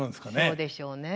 そうでしょうね。